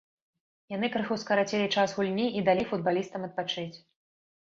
Яны крыху скарацілі час гульні і далі футбалістам адпачыць.